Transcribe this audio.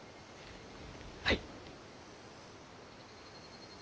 はい。